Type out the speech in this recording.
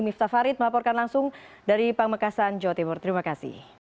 miftah farid melaporkan langsung dari pamekasan jawa timur terima kasih